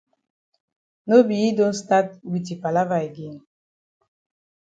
No be yi don stat wit yi palava again.